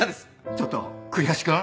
ちょっと栗橋くん？